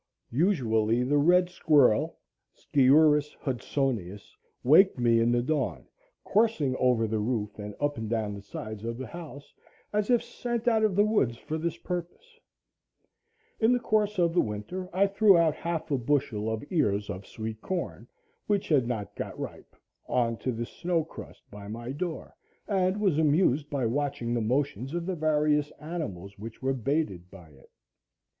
Usually the red squirrel (Sciurus Hudsonius) waked me in the dawn, coursing over the roof and up and down the sides of the house, as if sent out of the woods for this purpose. In the course of the winter I threw out half a bushel of ears of sweet corn, which had not got ripe, on to the snow crust by my door, and was amused by watching the motions of the various animals which were baited by it.